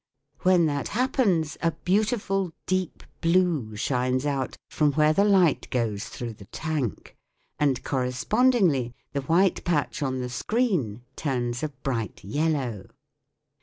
When that happens a beautiful deep blue shines out from where the light goes through the tank ; and correspondingly the white patch on the screen turns a bright yellow.